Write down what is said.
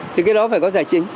thì cái đó phải có giải trình